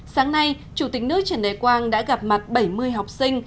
sáng nay chủ tịch nước trần đại quang đã gặp mặt bảy mươi học sinh